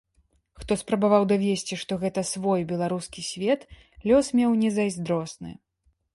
Хто спрабаваў давесці, што гэта свой, беларускі свет, лёс меў незайздросны.